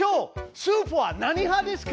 スープは何派ですか？